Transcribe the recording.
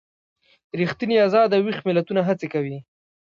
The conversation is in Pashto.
ریښتیني ازاد او ویښ ملتونه هڅې کوي.